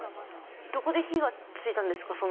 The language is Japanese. どこで火がついたんですか、そんな。